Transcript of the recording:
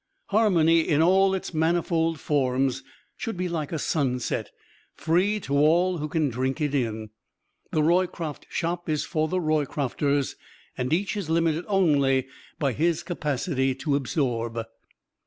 Harmony in all of its manifold forms should be like a sunset free to all who can drink it in. The Roycroft Shop is for The Roycrofters, and each is limited only by his capacity to absorb.